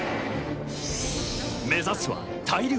目指すは大漁。